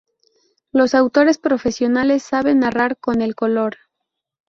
Los autores profesionales saben "narrar" con el color.